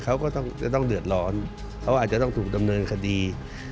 เขาก็จะต้องเดือดร้อนเขาอาจจะต้องถูกดำเนินคดี